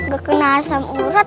gak kena asam urat